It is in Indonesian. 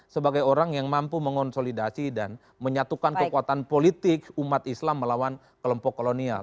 sebagai orang yang mampu mengonsolidasi dan menyatukan kekuatan politik umat islam melawan kelompok kolonial